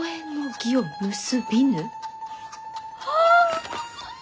ああ！